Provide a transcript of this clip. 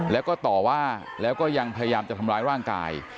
แล้วก็ต่อว่าแล้วก็ยังพยายามจะทำร้ายร่างกาย